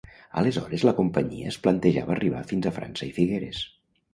Aleshores la companyia es plantejava arribar fins a França i Figueres.